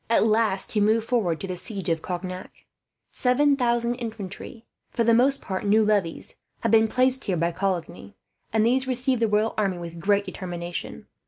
At last he moved forward to the siege of Cognac. Seven thousand infantry, for the most part new levies, had been placed here by Coligny; and these received the royal army with great determination.